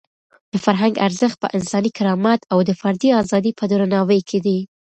د فرهنګ ارزښت په انساني کرامت او د فردي ازادۍ په درناوي کې دی.